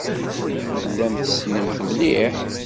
Tellam tessnem-t mliḥ?